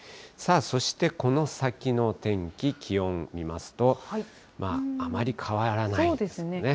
そして、この先の天気、気温見ますと、あまり変わらないですね。